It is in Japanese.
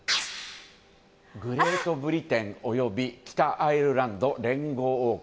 グレートブリテン及び北アイルランド連合王国。